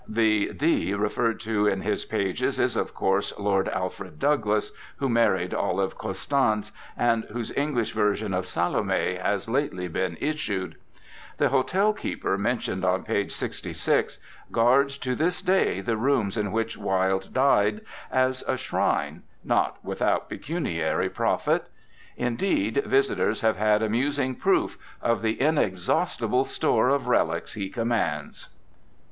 The D referred to in his pages is, of course, Lord Alfred Douglas, who mar ried Olive Custance, and whose English version of "Salome" has lately been issued. The hotel keeper, mentioned on page 66, guards to this day the rooms in which Wilde died, as a shrine, not with out pecuniary profit. Indeed, visitors have had amusing proof of the inex haustible store of relics he commands.